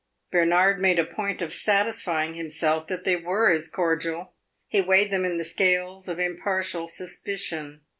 Bernard made a point of satisfying himself that they were as cordial; he weighed them in the scales of impartial suspicion.